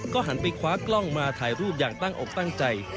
หันไปคว้ากล้องมาถ่ายรูปอย่างตั้งอกตั้งใจ